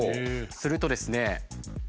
するとですね